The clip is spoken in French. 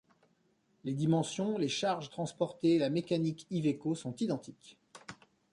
Les dimensions, les charges transportées et la mécanique Iveco sont identiques.